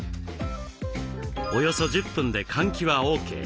およそ１０分で換気はＯＫ。